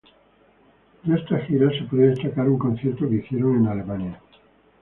De esta gira se puede destacar un concierto que hicieron en Alemania.